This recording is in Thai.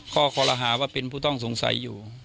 ข้อคอรหาว่าเป็นผู้ต้องสงสัยอยู่